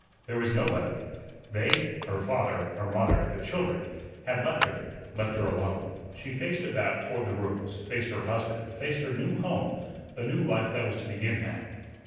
There was nobody. They her father, her mother, the children had left her, left her alone. She faced about toward the rooms faced her husband, faced her new home, the new life that was to begin now.